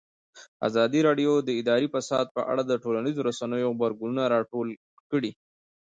ازادي راډیو د اداري فساد په اړه د ټولنیزو رسنیو غبرګونونه راټول کړي.